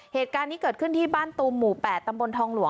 เหตุการณ์นี้เกิดขึ้นที่บ้านตูมหมู่๘ตำบลทองหลวง